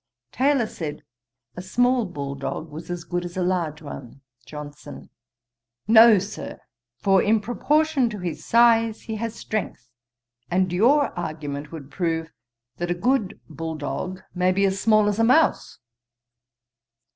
Taylor said, a small bull dog was as good as a large one. JOHNSON, 'No, Sir; for, in proportion to his size, he has strength: and your argument would prove, that a good bull dog may be as small as a mouse.'